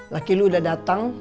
laki lu udah datang